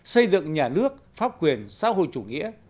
xây dựng nhà nước pháp quyền xã hội chủ nghĩa